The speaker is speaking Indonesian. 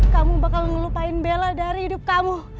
kamu bakal ngelupain bela dari hidup kamu